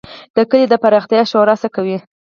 د کلي د پراختیا شورا څه کوي؟